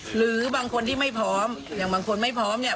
หรือบางคนที่ไม่พร้อมอย่างบางคนไม่พร้อมเนี่ย